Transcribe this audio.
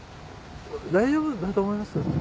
大丈夫だと思います。